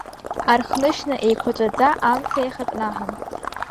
Архнышьна еиқәаҵәаӡа амца иахакнаҳан.